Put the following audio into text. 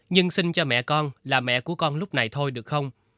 nhưng sinh cho mẹ con là mẹ của con lúc này thôi được không